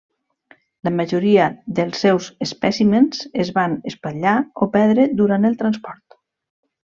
La majoria dels seus espècimens es van espatllar o perdre durant el transport.